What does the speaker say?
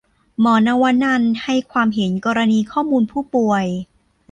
หมอนวนรรณให้ความเห็นกรณีข้อมูลผู้ป่วย